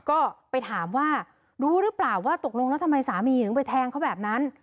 ก็ไปถามว่ารู้หรือเปล่าว่าตกลงแล้วทำไมสามีถึงไปแทงเขาแบบนั้น